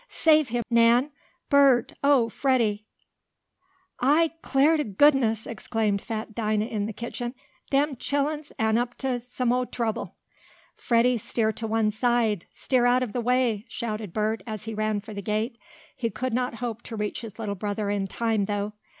"Save him, Nan! Bert! Oh, Freddie!" "I 'clar t' goodness!" exclaimed fat Dinah in the kitchen. "Dem chillens am up t' some mo' trouble!" "Freddie, steer to one side! Steer out of the way!" shouted Bert, as he ran for the gate. He could not hope to reach his little brother in time, though.